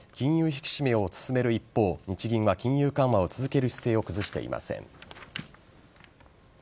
引き締めを進める一方日銀は金融緩和を続ける姿勢を崩していません。